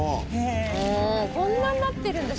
こんなんなってるんだ。